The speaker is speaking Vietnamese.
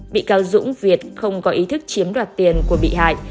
bị cáo dũng việt không có ý thức chiếm đoạt tiền của bị hại